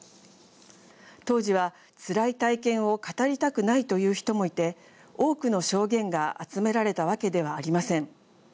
当時は、つらい体験を語りたくないという人もいて多くの証言が集められたわけではありません。